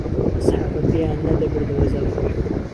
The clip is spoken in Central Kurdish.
ئەسحابە پێیان نەدەبردەوە زەفەرە